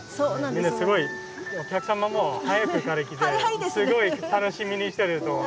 みんなすごいお客様も早くから来てすごい楽しみにしてると思う。